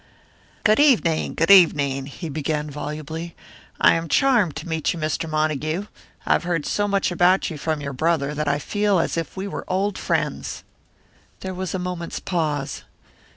"Good evening. Good evening," he began volubly. "I am charmed to meet you. Mr. Montague, I have heard so much about you from your brother that I feel as if we were old friends." There was a moment's pause.